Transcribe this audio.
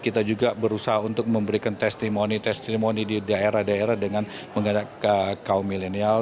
kita juga berusaha untuk memberikan testimoni testimoni di daerah daerah dengan mengadakan kaum milenial